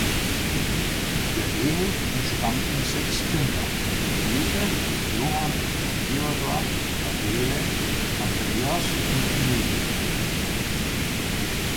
Der Ehe entstammten sechs Kinder: Luise, Johann, Theodor, Adele, Andreas und Emilie.